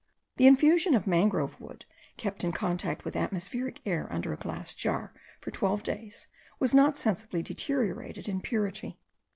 The infusion of mangrove wood, kept in contact with atmospheric air under a glass jar for twelve days, was not sensibly deteriorated in purity.